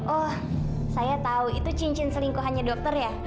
oh saya tahu itu cincin selingkuhannya dokter ya